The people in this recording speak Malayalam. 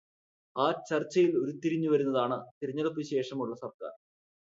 ആ ചർച്ചയിൽ ഉരുത്തിരിഞ്ഞുവരുന്നതാണ് തിരഞ്ഞെടുപ്പിനുശേഷമുള്ള സർക്കാർ.